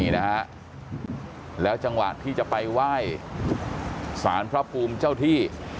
แล้วในจังหวะที่จะไปไหว้ศาลพระภูมิเจ้าที่